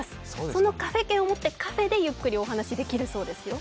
そのカフェ券を持ってカフェでゆっくりお話ができるそうですよ。